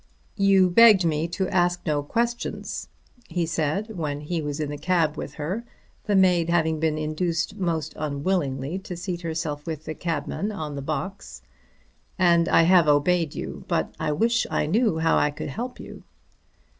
"You begged me to ask no questions," he said when he was in the cab with her, the maid having been induced most unwillingly to seat herself with the cabman on the box, "and I have obeyed you. But I wish I knew how I could help you."